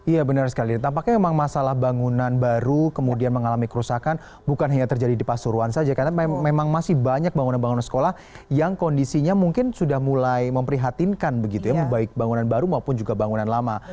iya benar sekali tampaknya memang masalah bangunan baru kemudian mengalami kerusakan bukan hanya terjadi di pasuruan saja karena memang masih banyak bangunan bangunan sekolah yang kondisinya mungkin sudah mulai memprihatinkan begitu ya baik bangunan baru maupun juga bangunan lama